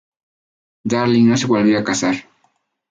Darling no se volvió a casar.